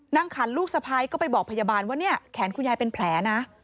ขันลูกสะพ้ายก็ไปบอกพยาบาลว่าเนี่ยแขนคุณยายเป็นแผลนะ